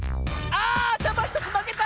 あたまひとつまけた！